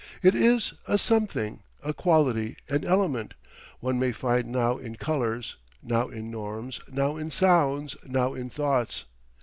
It is, a something, a quality, an element, one may find now in colours, now in norms, now in sounds, now in thoughts.